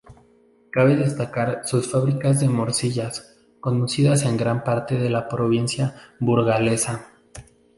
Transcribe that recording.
Cabe destacar sus fábricas de morcillas, conocidas en gran parte de la provincia burgalesa.